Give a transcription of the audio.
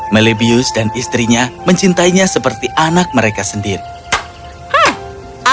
melibius dan istrinya mencintainya seperti anak mereka sendiri